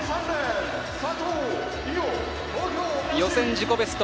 予選自己ベスト。